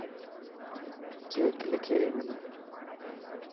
چيڪ لکي ڏي منا.